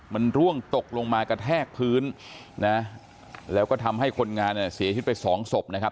มันร่วงตกลงมากระแทกพื้นนะแล้วก็ทำให้คนงานเนี่ยเสียชีวิตไปสองศพนะครับ